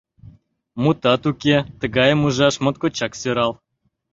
Мутат уке, тыгайым ужаш моткочак сӧрал.